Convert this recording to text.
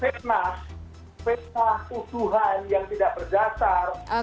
fitnah usuhan yang tidak berdasar